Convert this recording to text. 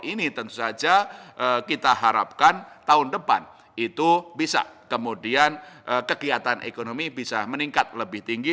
ini tentu saja kita harapkan tahun depan itu bisa kemudian kegiatan ekonomi bisa meningkat lebih tinggi